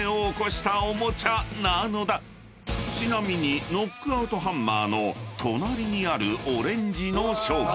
［ちなみにノックアウトハンマーの隣にあるオレンジの商品］